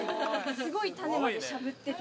すごい種までしゃぶってて。